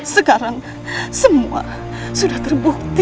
sekarang semua sudah terbukti